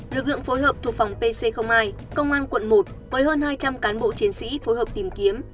lực lượng phối hợp thuộc phòng pc hai công an quận một với hơn hai trăm linh cán bộ chiến sĩ phối hợp tìm kiếm